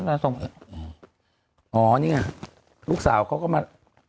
แล้วอ๋อนี่ไงลูกสาวเขาก็มา